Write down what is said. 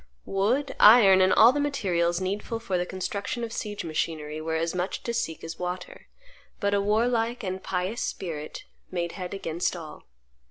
Wood, iron, and all the materials needful for the construction of siege machinery were as much to seek as water. But a warlike and pious spirit made head against all.